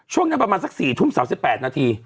ช่วงนั้นประมาณสัก๔ทุ่ม๓๘นาที